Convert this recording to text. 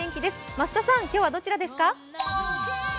増田さん、今日はどちらですか？